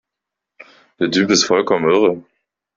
Der Typ ist vollkommen irre!